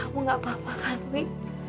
kamu gak apa apa kan wi